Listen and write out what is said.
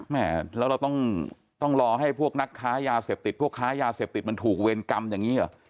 แม่แล้วเราต้องรอให้พวกนักค้ายาเสพติดพวกค้ายาเสพติดมันถูกเวรกรรมอย่างนี้เหรอ